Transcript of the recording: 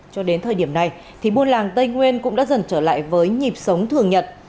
cho đến thời điểm này thì buôn làng tây nguyên cũng đã dần trở lại với nhịp sống thường nhật